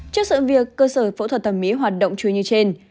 trước sự việc cơ sở phẫu thuật thẩm mỹ hoạt động chứa như trên